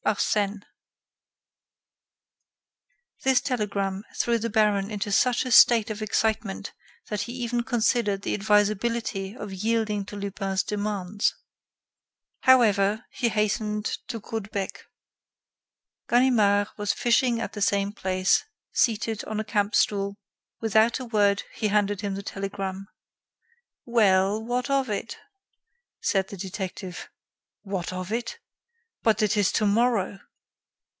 Arsène." This telegram threw the baron into such a state of excitement that he even considered the advisability of yielding to Lupin's demands. However, he hastened to Caudebec. Ganimard was fishing at the same place, seated on a campstool. Without a word, he handed him the telegram. "Well, what of it?" said the detective. "What of it? But it is tomorrow."